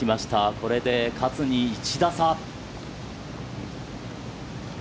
これで勝に１打差。